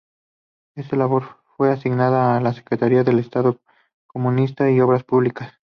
Esta labor fue asignada a la Secretaría de Estado de Comunicaciones y Obras Públicas.